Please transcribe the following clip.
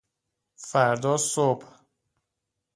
فردا صبح